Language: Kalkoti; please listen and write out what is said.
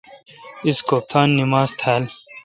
اس کوفتانہ نماز تھال۔